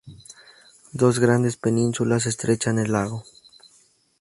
Dos grandes penínsulas estrechan el lago.